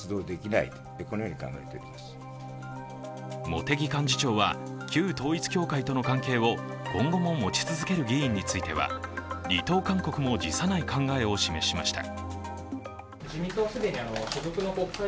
茂木幹事長は、旧統一教会との関係を今後も持ち続ける議員については離党勧告も辞さない考えを示しました。